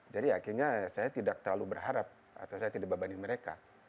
jadi akhirnya saya tidak terlalu berharap atau saya tidak membebani mereka